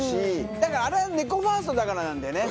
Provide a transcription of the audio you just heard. だから、あれは猫ファーストだからなんだよね。